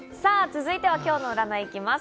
続いては今日の占い、行きます。